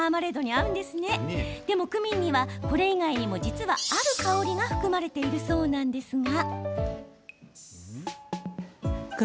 でも、クミンにはこれ以外にも実は、ある香りが含まれているそうなんですが。